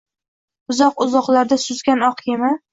Uzoq-uzoqlarda suzgan oq kema